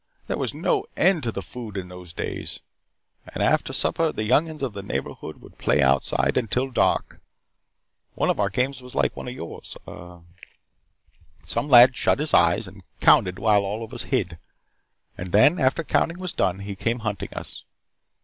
There was no end to our food in those days. And after supper, the younguns of the neighborhood would play outside until dark. One of our games was like one of yours. Some lad shut his eyes and counted while all of us hid. And then, after the counting was done, he came hunting us.